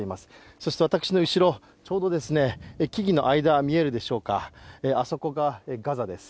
そして私の後ろ、ちょうど木々の間見えるでしょうか、あそこがガザです。